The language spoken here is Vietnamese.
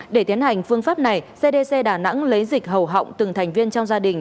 để tiến hành phương pháp này cdc đà nẵng lấy dịch hầu họng từng thành viên trong gia đình